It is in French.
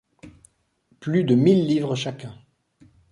Plus de mille livres chacun !